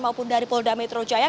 maupun dari polda metro jaya